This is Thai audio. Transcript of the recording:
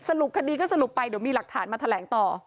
สรุปคดีก็สรุปไปเดี๋ยวมีหลักฐานมาแถลงต่อ